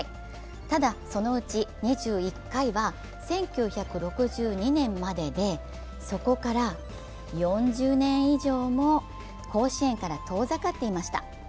ただ、そのうち２１回は１９６２年まででそこから４０年以上も甲子園から遠ざかっていました。